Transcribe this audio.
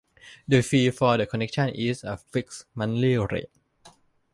The fee for the connection is a fixed monthly rate.